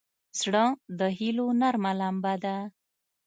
زړه د هيلو نرمه لمبه ده.